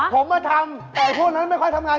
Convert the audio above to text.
ผมมาทำแต่พวกนั้นไม่ค่อยทำงาน